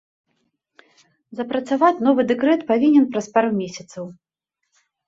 Запрацаваць новы дэкрэт павінен праз пару месяцаў.